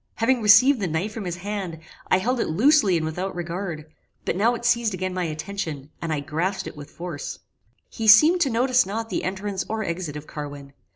Having received the knife from his hand, I held it loosely and without regard; but now it seized again my attention, and I grasped it with force. He seemed to notice not the entrance or exit of Carwin.